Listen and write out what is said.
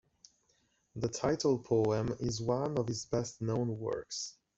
The title poem is one of his best known works.